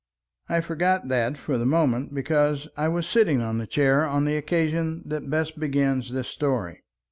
I forgot that for the moment because I was sitting on the chair on the occasion that best begins this story.